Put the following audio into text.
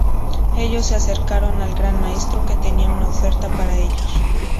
Ellos se acercaron al Gran Maestro que tenía una oferta para ellos.